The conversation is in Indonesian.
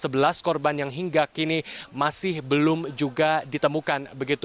belas korban yang hingga kini masih belum juga ditemukan